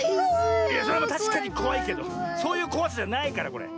いやそれはたしかにこわいけどそういうこわさじゃないからこれ。